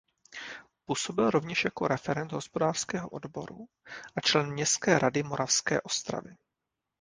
Působil rovněž jako referent hospodářského odboru a člen městské rady Moravské Ostravy.